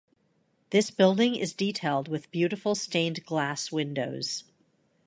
This building is detailed with beautiful stained glass windows.